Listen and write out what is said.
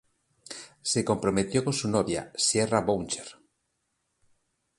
Se comprometió con su novia, Sierra Boucher.